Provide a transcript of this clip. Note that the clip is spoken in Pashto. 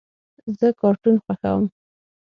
زه کارټون خوښوم.